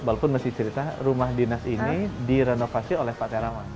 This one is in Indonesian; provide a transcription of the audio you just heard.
walaupun masih cerita rumah dinas ini direnovasi oleh pak terawan